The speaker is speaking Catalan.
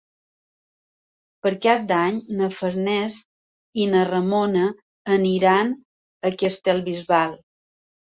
Per Cap d'Any na Farners i na Ramona aniran a Castellbisbal.